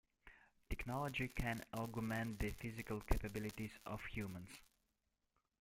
Technology can augment the physical capabilities of humans.